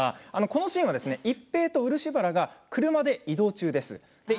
このシーンは一平と漆原が車で移動中です。